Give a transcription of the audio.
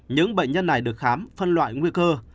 những bệnh nhân này được khám phân loại nguy cơ